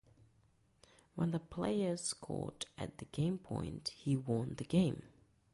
When the player scored at game point, he won the game.